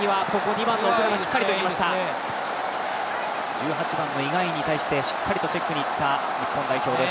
１８番のイ・ガンインに対してしっかりとチェックにいった日本代表です。